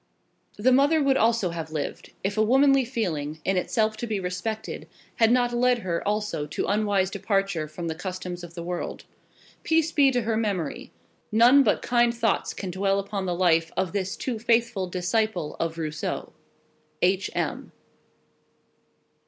The mother also would have lived, if a womanly feeling, in itself to be respected, had not led her also to unwise departure from the customs of the world. Peace be to her memory. None but kind thoughts can dwell upon the life of this too faithful disciple of Rousseau. H. M.